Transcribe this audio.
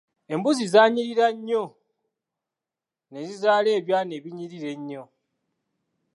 Embuzi zaanyirira nnyo nezizaala ebyana ebinyirira ennyo.